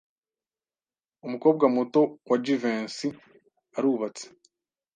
Umukobwa muto wa Jivency arubatse.